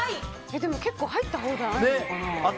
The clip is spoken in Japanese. でも結構入ったほうじゃないのかな。